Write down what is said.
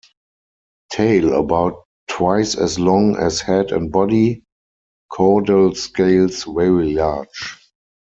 Tail about twice as long as head and body; caudal scales very large.